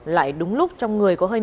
lại đúng lúc trong người có hơi mất